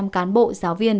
một trăm linh cán bộ giáo viên